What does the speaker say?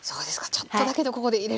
ちょっとだけどここで入れると。